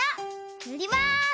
ぬります。